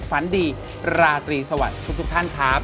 ฝันดีราตรีสวัสดีทุกท่านครับ